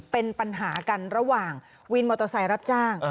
เป็นปัญหากันระหว่างวินมอเตอร์ไซค์รับจ้าง